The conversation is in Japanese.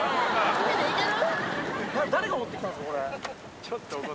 海でいける？